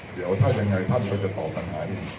เดี๋ยวถ้าจะยังไงท่านก็จะตอบถามให้